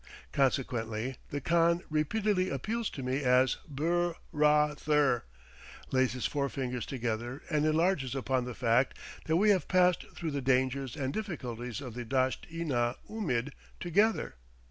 Consequently, the khan repeatedly appeals to me as "bur raa ther," lays his forefingers together, and enlarges upon the fact that we have passed through the dangers and difficulties of the Dasht i na oomid together.